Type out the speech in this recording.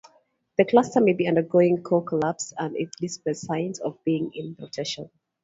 The cluster may be undergoing core-collapse, and it displays signs of being in rotation.